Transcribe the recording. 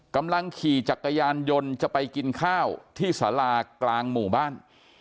กำลังขี่จักรยานยนต์จะไปกินข้าวที่สารากลางหมู่บ้าน